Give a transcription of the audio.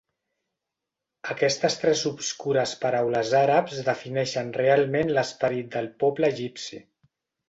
Aquestes tres obscures paraules àrabs defineixen realment l'esperit del poble egipci.